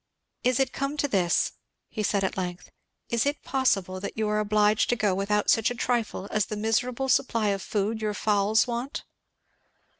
"Is it come to this!" he said at length. "Is it possible that you are obliged to go without such a trifle as the miserable supply of food your fowls want!"